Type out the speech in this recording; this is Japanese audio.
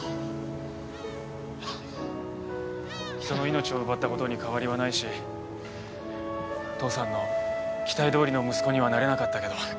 人の命を奪った事に変わりはないし父さんの期待どおりの息子にはなれなかったけど。